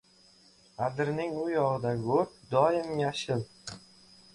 • Adirning u yog‘idagi o‘t doim yashil.